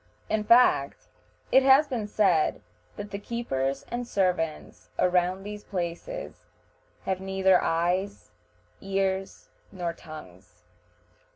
In fact, it has been said that the keepers and servants around these places have neither eyes, ears, nor tongues.